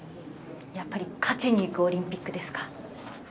やっぱり勝ちにいくオリンピックですか。